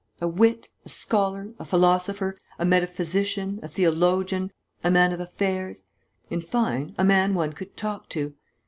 A wit, a scholar, a philosopher, a metaphysician, a theologian, a man of affairs. In fine, a man one could talk to.